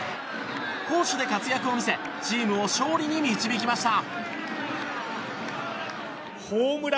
攻守で活躍を見せチームを勝利に導きました。